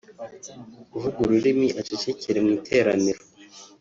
uvuga ururimi acecekere mu iteraniro